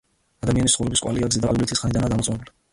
ადამიანის ცხოვრების კვალი აქ ზედა პალეოლითის ხანიდანაა დამოწმებული.